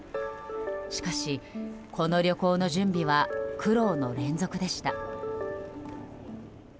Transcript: しかし、この旅行の準備は苦労の連続でした。